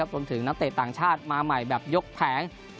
นักเตะต่างชาติมาใหม่แบบยกแผง